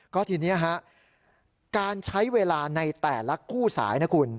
ก็ทีนี้ฮะการใช้เวลาในแต่ละคู่สายนะคุณ